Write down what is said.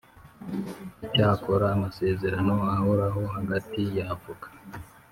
Icyakora amasezerano ahoraho hagati y avoka